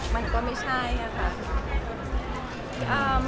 มันก็ไม่ใช่ค่ะ